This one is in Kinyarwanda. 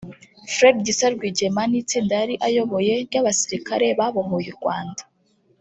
Fred Gisa Rwigema n’itsinda yari ayoboye ry’abasirikare babohoye u Rwanda